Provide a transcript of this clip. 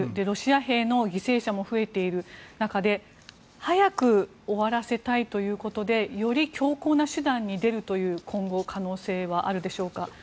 ロシア兵の犠牲者も増えている中で早く終わらせたいということでより強硬な手段に出るという今後、可能性はあるでしょうか？